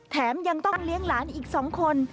แถมยังต้องเลี้ยงศาลอีกสองคน